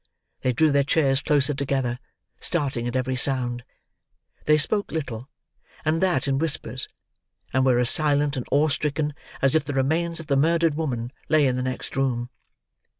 They drew their chairs closer together, starting at every sound. They spoke little, and that in whispers, and were as silent and awe stricken as if the remains of the murdered woman lay in the next room.